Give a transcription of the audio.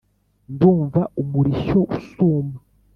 . Ndumva umurishyo usuma.